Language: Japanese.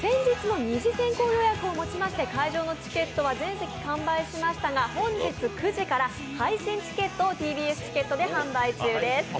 ＲＯＣＫの会場のチケットは全席完売しましたが本日９時から配信チケットをＴＢＳチケットで販売中です。